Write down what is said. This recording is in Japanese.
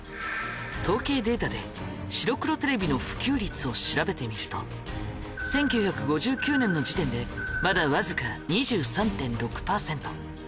統計データで白黒テレビの普及率を調べてみると１９５９年の時点でまだわずか２３．６％。